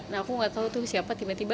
nah aku tidak tahu itu siapa tiba tiba